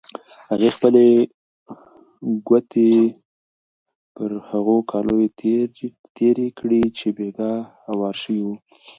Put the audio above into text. هغې خپلې ګوتې پر هغو کالیو تېرې کړې چې بېګا هوار شوي وو.